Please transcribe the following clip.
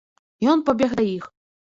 Ён пабег да іх.